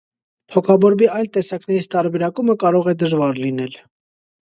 Թոքաբորբի այլ տեսակներից տարբերակումը կարող է դժվար լինել։